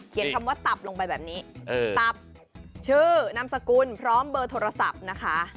คำว่าตับลงไปแบบนี้ตับชื่อนามสกุลพร้อมเบอร์โทรศัพท์นะคะ